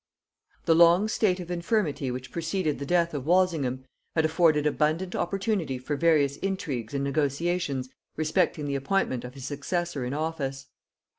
] The long state of infirmity which preceded the death of Walsingham, had afforded abundant opportunity for various intrigues and negotiations respecting the appointment of his successor in office.